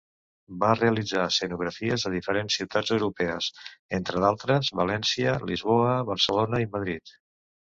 Va realitzar escenografies a diferents ciutats europees, entre d'altres València, Lisboa, Barcelona i Madrid.